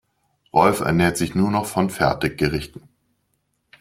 Rolf ernährt sich nur noch von Fertiggerichten.